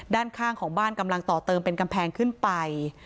ด้านข้างของบ้านกำลังต่อเติมเป็นกำแพงขึ้นไป